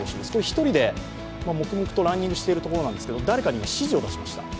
１人で黙々とランニングしているところなんですけれども、誰かに指示を出しました。